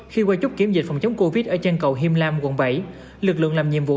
khi qua chốt kiểm dịch phòng chống covid ở chân cầu hiêm lam quận bảy lực lượng làm nhiệm vụ